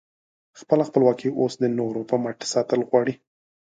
خپله خپلواکي اوس د نورو په مټ ساتل غواړې؟